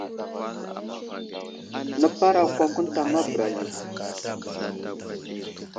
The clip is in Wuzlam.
Nəparakwakw ənta ma bəra yo.